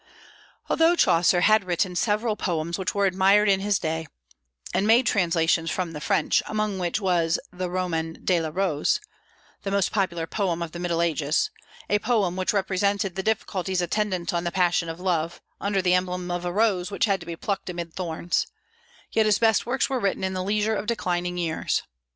Although Chaucer had written several poems which were admired in his day, and made translations from the French, among which was the "Roman de la Rose," the most popular poem of the Middle Ages, a poem which represented the difficulties attendant on the passion of love, under the emblem of a rose which had to be plucked amid thorns, yet his best works were written in the leisure of declining years.